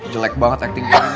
jelek banget acting dia